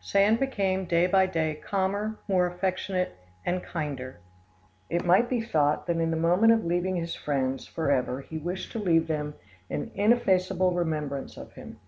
Sand became day by day calmer, more affectionate, and kinder; it might be thought that in the moment of leaving his friends for ever he wished to leave them an ineffaceable remembrance of him.